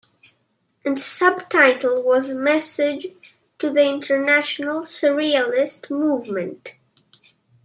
Its subtitle was Message to the International Surrealist Movement.